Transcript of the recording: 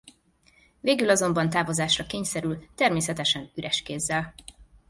Végül azonban távozásra kényszerül természetesen üres kézzel.